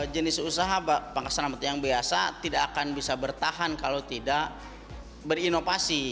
jenis usaha pangkas rambut yang biasa tidak akan bisa bertahan kalau tidak berinovasi